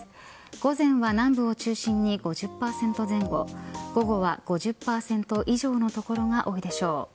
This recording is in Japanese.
午前は南部を中心に５０％前後午後は５０％以上の所が多いでしょう。